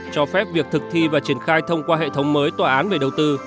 cho phép việc thực thi và triển khai thông qua hệ thống mới tòa án về đầu tư